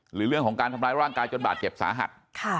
หรือเรื่องของการทำร้ายร่างกายจนบาดเจ็บสาหัส